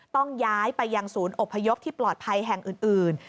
ต้องย้ายไปยังศูนย์อบพยพที่ปลอดภัยแห่งอื่น